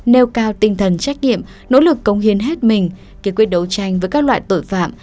nêu cao tinh thần trách nhiệm nỗ lực công hiến hết mình kiên quyết đấu tranh với các loại tội phạm